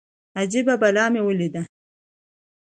اجبه بلا مې وليده.